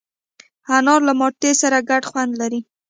انار له مالټې سره ګډ خوند لري.